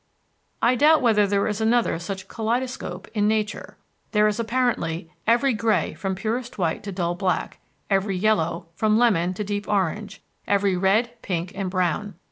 I doubt whether there is another such kaleidoscope in nature. There is apparently every gray from purest white to dull black, every yellow from lemon to deep orange, every red, pink, and brown.